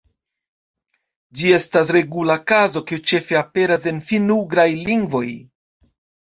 Ĝi estas regula kazo, kiu ĉefe aperas en finn-ugraj lingvoj.